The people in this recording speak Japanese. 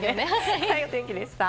以上、お天気でした。